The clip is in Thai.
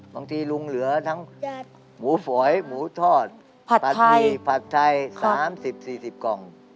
บางทีลุงเหลือหมูหวนต้นหมูหมูถอดพัดไทยค่ะ